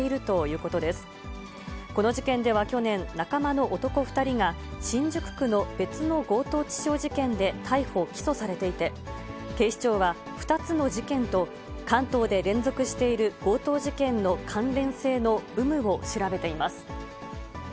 この事件では去年、仲間の男２人が新宿区の別の強盗致傷事件で逮捕・起訴されていて、警視庁は２つの事件と関東で連続している強盗事件の関連性の有無を調べています。